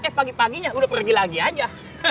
eh pagi paginya udah pergi lagi aja